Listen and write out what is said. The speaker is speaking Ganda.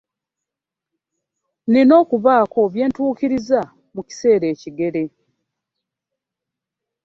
Nina okubaako bye ntuukiriza mu kiseera ekigere.